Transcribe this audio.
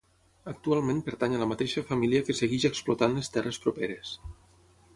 Actualment pertany a la mateixa família que segueix explotant les terres properes.